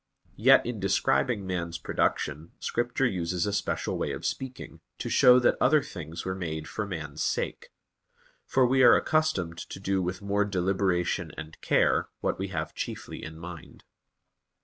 Yet in describing man's production, Scripture uses a special way of speaking, to show that other things were made for man's sake. For we are accustomed to do with more deliberation and care what we have chiefly in mind.